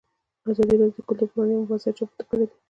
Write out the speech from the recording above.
ازادي راډیو د کلتور پر وړاندې یوه مباحثه چمتو کړې.